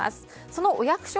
そのお役所